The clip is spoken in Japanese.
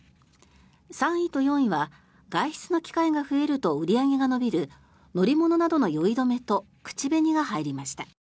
３位と４位は外出の機会が増えると売り上げが伸びる乗り物などの酔い止めと口紅が入りました。